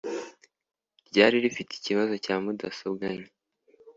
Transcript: ryari rifite ikibazo cya mudasobwa nke